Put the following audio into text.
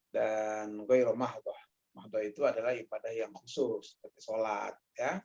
dan goyro mahdoh mahdoh itu adalah ibadah yang khusus seperti sholat